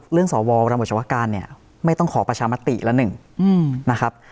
เรื่องสอวระบบจังหวักการเนี่ยไม่ต้องขอประชามติละหนึ่งนะครับ